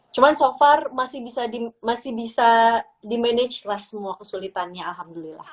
cuma so far masih bisa di manage lah semua kesulitannya alhamdulillah